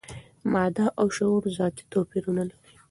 ماده او شعور ذاتي توپیر نه لري.